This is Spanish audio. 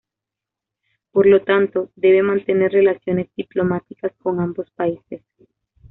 Por lo tanto, debe mantener relaciones diplomáticas con ambos países.